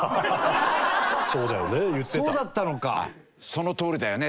そのとおりだよね。